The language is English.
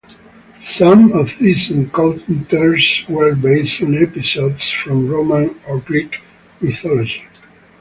Some of these encounters were based on episodes from Roman or Greek mythology.